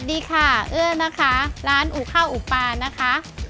ดีค่ะเอื้อนะคะร้านอูข้าวอูปานะคะ